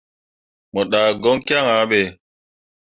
Mo ɗah goŋ kyaŋ ah ɓe.